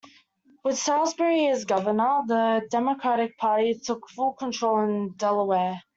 With Saulsbury as governor, the Democratic Party took full control in Delaware.